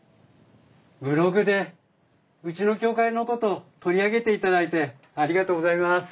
ブログでうちの協会のこと取り上げていただいてありがとうございます。